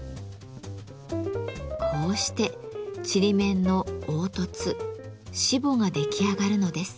こうしてちりめんの凹凸しぼが出来上がるのです。